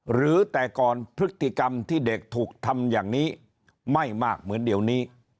หรือแต่ก่อนพฤติกรรมที่เด็กถูกทำอย่างนี้ไม่มากเหมือนเดี๋ยวนี้